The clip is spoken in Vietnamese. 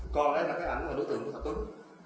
còn đây là hình ảnh đối tượng của thập tuấn